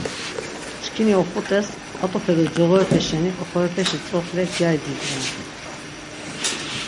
Çkini op̌ut̆es ǩat̆upe do coğorepe şeni oxorepeşi tzoxle gyari didven.